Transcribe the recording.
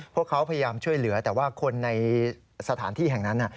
พวกเขาพยายามช่วยเหลือแต่ว่าคนในสถานที่แห่งนั้น